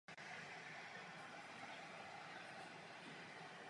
Následuje po čísle šest set padesát čtyři a předchází číslu šest set padesát šest.